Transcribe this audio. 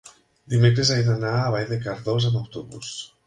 dimecres he d'anar a Vall de Cardós amb autobús.